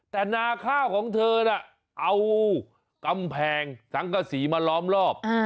แต่นาข้าวของเธอน่ะเอากำแพงสังกษีมาล้อมรอบ